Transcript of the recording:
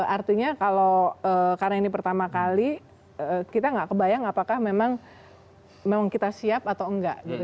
artinya kalau karena ini pertama kali kita nggak kebayang apakah memang kita siap atau enggak gitu